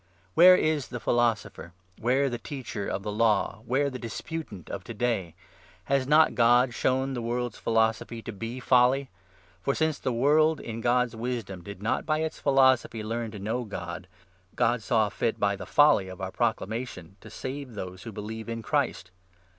Where is the Philosopher? where the Teacher of the Law? 20 where the Disputant of to day ? Has not God shown the world's philosophy to be folly ? For since the world, in God's 21 wisdom, did not by its philosophy learn to know God, God saw fit, by the ' folly ' of our proclamation, to save those who believe in Christ